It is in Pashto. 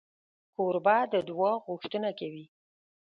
کوربه د دعا غوښتنه کوي.